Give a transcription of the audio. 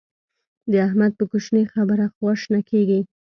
د احمد په کوشنۍ خبره خوا شنه کېږي.